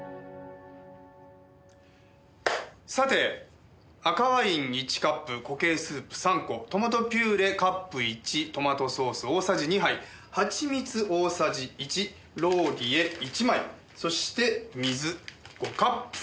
さて赤ワイン１カップ固形スープ３個トマトピューレカップ１トマトソース大さじ２杯ハチミツ大さじ１ローリエ１枚そして水５カップ。